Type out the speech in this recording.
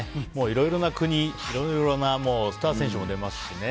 いろいろな国、いろいろなスター選手も出ますしね